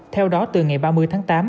theo đó từ ngày ba mươi tháng tám